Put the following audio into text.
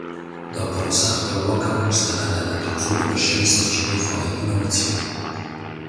دا پروسه خپلواکه او مستنده ده ترڅو د بشري سرچینو فعالیتونه وڅیړي.